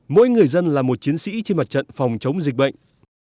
mỗi người dân là một chiến sĩ trên mặt trận phòng chống dịch bệnh